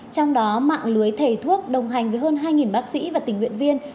trong đó mạng lưới thầy thuốc đồng hành với hơn hai bác sĩ và tình nguyện viên